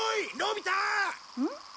うん？